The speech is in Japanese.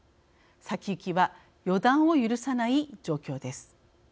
先行きは予断を許さない状況です。